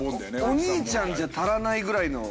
お兄ちゃんじゃ足らないぐらいの。